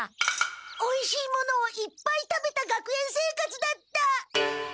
おいしいものをいっぱい食べた学園生活だった。